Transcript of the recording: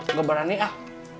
nggak berani ah